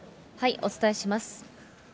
お伝えします。